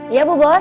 iya bu bos